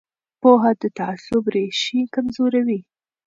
پوهه د تعصب ریښې کمزورې کوي